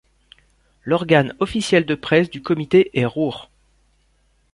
L'organe officiel de presse du Comité est Ruch.